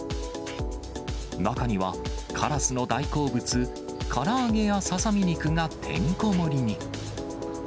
中にはカラスの大好物、から揚げやささみ肉がてんこ盛りに。